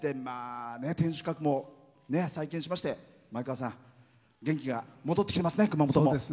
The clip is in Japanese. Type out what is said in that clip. まあね天守閣もね再建しまして前川さん元気が戻ってきてますね熊本。